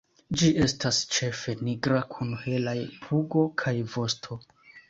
Ĝi estas ĉefe nigra kun helaj pugo kaj vosto.